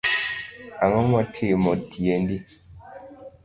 Angomotimo tiendi?